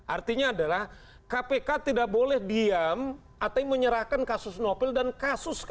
artinya adalah kpk tidak boleh diam atau menyerahkan kasus novel dan kasus kasus